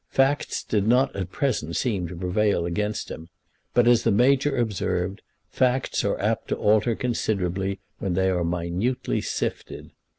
Facts did not at present seem to prevail against him; but, as the Major observed, facts are apt to alter considerably when they are minutely sifted.